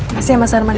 makasih ya mas arman ya